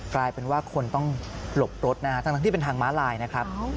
กลายเป็นว่าคนต้องหลบรถนะฮะทั้งที่เป็นทางม้าลายนะครับ